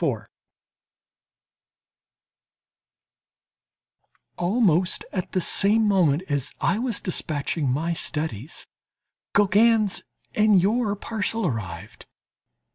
Almost at the same moment as I was dispatching my studies, Gauguin's and your parcel arrived.